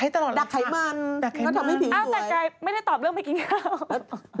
อ้าวแต่กายไม่ได้ตอบเรื่องไปกินข้าว